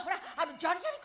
ジャリジャリ君？